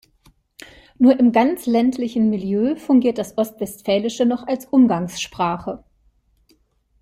Nur im ganz ländlichen Milieu fungiert das Ostwestfälische noch als Umgangssprache.